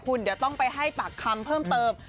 คุณเดี๋ยวต้องไปให้ปากคำเพิ่มเติม